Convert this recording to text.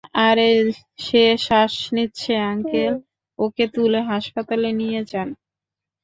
আরে, সে শ্বাস নিচ্ছে আঙ্কেল, ওকে তুলে হাসপাতালে নিয়ে যান।